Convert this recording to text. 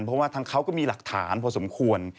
เพราะว่าทางเขาก็มีหลักฐานพอสมควร